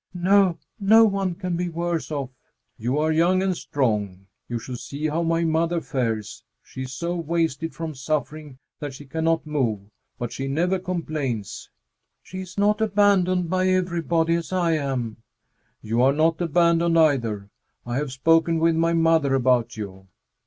"No, no one can be worse off!" "You are young and strong. You should see how my mother fares! She is so wasted from suffering that she cannot move, but she never complains." "She is not abandoned by everybody, as I am." "You are not abandoned, either. I have spoken with my mother about you."